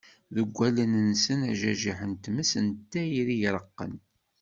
Deg wallen-nsen ajajiḥ n tmes n tayri i ireqqen.